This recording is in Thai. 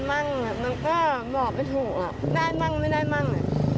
ตู้ตั้งแต่ที่เขาขายตอนนี้นะครับ